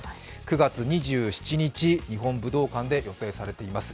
９月２７日日本武道館で予定されています。